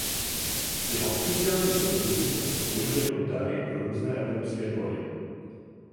Jeho oficiální podobizny často sloužily jako dary pro různé evropské dvory.